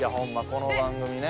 この番組ね。